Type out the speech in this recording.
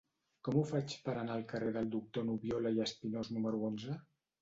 Com ho faig per anar al carrer del Doctor Nubiola i Espinós número onze?